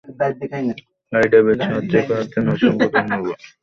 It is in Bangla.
হেই ডেভিড, সাহায্য করার জন্য অসংখ্য ধন্যবাদ!